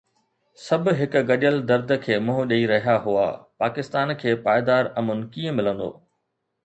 سڀ هڪ گڏيل درد کي منهن ڏئي رهيا هئا: پاڪستان کي پائيدار امن ڪيئن ملندو؟